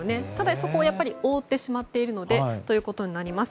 そこを覆ってしまっているということになります。